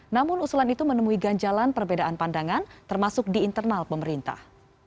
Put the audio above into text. namun usulan itu menemui ganjalan perbedaan pandangan termasuk di internal pemerintah